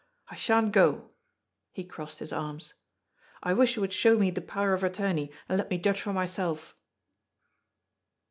I sha'n't go." He crossed his arms. " I wish you would show me the Power of Attorney, and let me judge for myself."